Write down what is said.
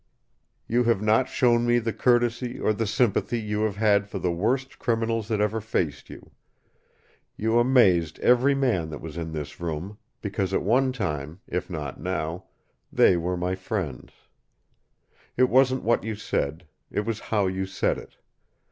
"You have not shown me the courtesy or the sympathy you have had for the worst criminals that ever faced you. You amazed every man that was in this room, because at one time if not now they were my friends. It wasn't what you said. It was how you said it.